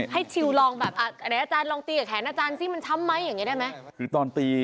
แต่ตีกับหมอนแกตีจนตั้งตั้งเท่านี้